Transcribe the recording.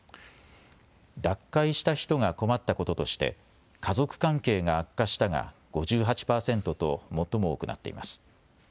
脱会した人が困ったこととして家族関係が悪化したが５８％と最も多くなっています。